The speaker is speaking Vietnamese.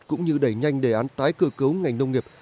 cũng như đẩy nhanh đề án tái cơ cấu ngành nông nghiệp